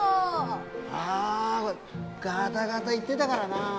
あガタガタいってだがらなあ。